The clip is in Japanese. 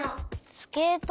スケート？